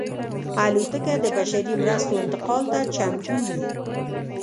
الوتکه د بشري مرستو انتقال ته چمتو وي.